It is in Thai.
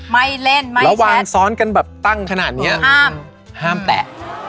ไม่เล่นไม่วะกันแบบตั้งขนาดนี้ฮ้ามแต่